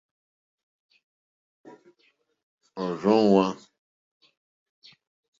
Òrzòŋwá.